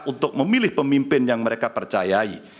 untuk memilih pemimpin yang mereka percayai